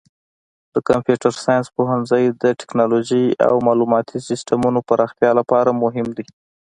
د کمپیوټر ساینس پوهنځی د تکنالوژۍ او معلوماتي سیسټمونو پراختیا لپاره مهم دی.